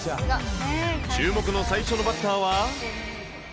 注目の最初のバッターは。